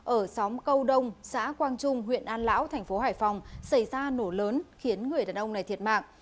ở xóm câu đông xã quang trung huyện an lão thành phố hải phòng xảy ra nổ lớn khiến người đàn ông này thiệt mạng